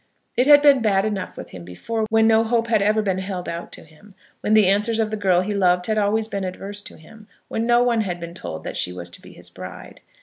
It had been bad enough with him before, when no hope had ever been held out to him; when the answers of the girl he loved had always been adverse to him; when no one had been told that she was to be his bride.